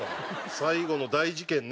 最後の大事件ね。